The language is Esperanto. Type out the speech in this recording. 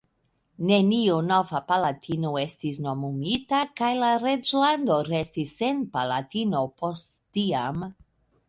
Neniu nova palatino estis nomumita, kaj la reĝlando restis sen palatino post tiam.